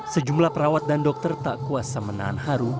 sejumlah perawat dan dokter tak kuasa menahan haru